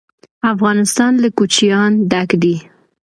افغانستان له کوچیان ډک دی.